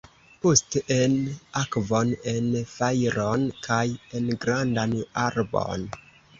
Poste en akvon, en fajron kaj en grandan arbon.